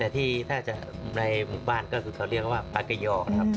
ที่ในหมู่บ้านก็คือเขาเรียกปาเกย่า